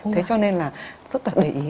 thế cho nên là rất là để ý